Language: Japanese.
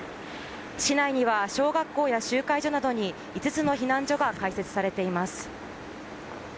市内には小学校や集会所などに５つの避難所が開設されています。